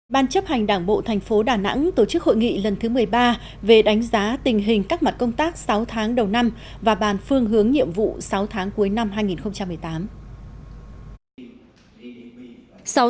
ban chấp hành đảng bộ thành phố đà nẵng tổ chức hội nghị lần thứ một mươi ba về đánh giá tình hình các mặt công tác sáu tháng đầu năm và bàn phương hướng nhiệm vụ sáu tháng cuối năm hai nghìn một mươi tám